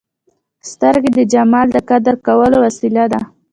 سترګې د جمال د قدر کولو وسیله ده